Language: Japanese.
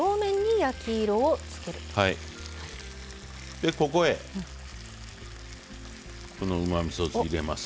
でここへこのうまみそ酢を入れます。